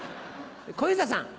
小遊三さん。